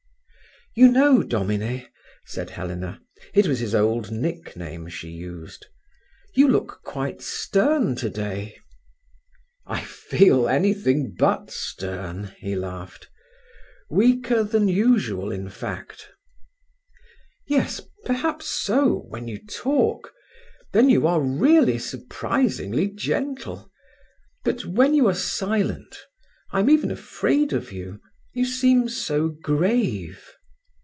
"You know, Domine," said Helena—it was his old nickname she used—"you look quite stern today." "I feel anything but stern," he laughed. "Weaker than usual, in fact." "Yes, perhaps so, when you talk. Then you are really surprisingly gentle. But when you are silent, I am even afraid of you—you seem so grave."